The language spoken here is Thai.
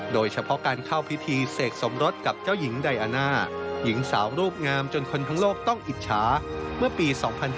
โดยเฉพาะการเข้าพิธีเสกสมรสกับเจ้าหญิงไดอาน่าหญิงสาวรูปงามจนคนทั้งโลกต้องอิจฉาเมื่อปี๒๕๕๙